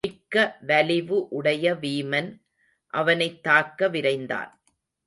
மிக்க வலிவு உடைய வீமன் அவனைத் தாக்க விரைந்தான்.